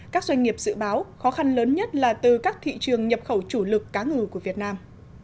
các doanh nghiệp dự báo khó khăn lớn nhất là từ các thị trường nhập khẩu chủ lực cá ngừ của việt nam